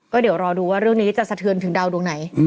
ก็เดี๋ยวรอดูว่าเรื่องนี้จะสะเทือนถึงดาวดวงไหน